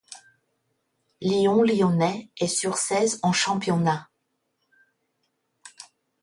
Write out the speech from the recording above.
Lyon-Lyonnais est sur seize en championnat.